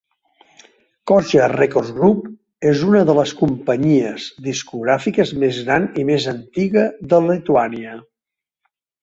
Koja Records Group és una de les companyies discogràfiques més gran i més antiga de Lituània.